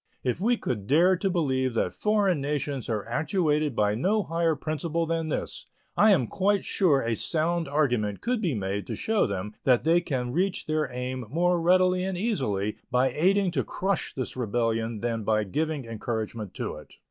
If we could dare to believe that foreign nations are actuated by no higher principle than this, I am quite sure a sound argument could be made to show them that they can reach their aim more readily and easily by aiding to crush this rebellion than by giving encouragement to it.